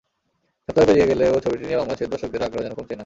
সপ্তাহ পেরিয়ে গেলেও ছবিটি নিয়ে বাংলাদেশের দর্শকদের আগ্রহ যেন কমছেই না।